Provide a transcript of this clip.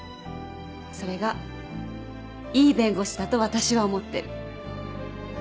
それがいい弁護士だと私は思ってる。